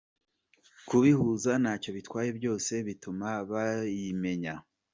Kubihuza ntacyo bitwaye byose bituma bayimenya.